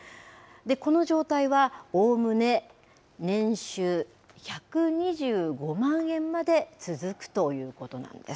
この状態はおおむね、年収１２５万円まで続くということなんです。